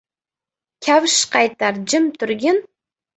Kavsh qaytar, jim turgin.